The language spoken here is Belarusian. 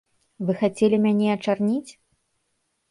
Вы хацелі мяне ачарніць?